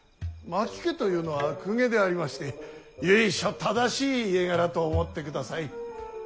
牧家というのは公家でありまして由緒正しい家柄と思ってください。